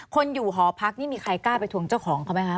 คนอยู่หอพักนี่มีใครกล้าไปทวงเจ้าของเขาไหมคะ